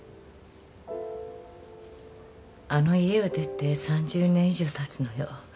あの家を出て３０年以上たつのよ。